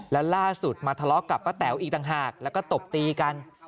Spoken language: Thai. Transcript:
และล่าสุดมาทะเลาะกับป้าแต๋วอีกต่างหากแล้วก็ตบตีกัน